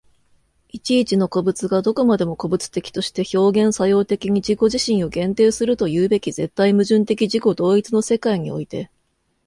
一々の個物がどこまでも個物的として表現作用的に自己自身を限定するというべき絶対矛盾的自己同一の世界において、